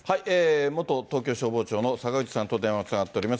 元東京消防庁の坂口さんと電話がつながっています。